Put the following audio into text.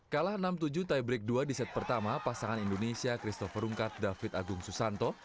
kalah enam tujuh tiebreak dua di set pertama pasangan indonesia christopher rungkat david agung susanto